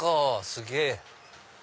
すげぇ。